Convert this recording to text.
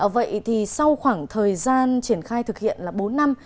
vậy thì sau khoảng thời gian triển khai thực hiện là bốn năm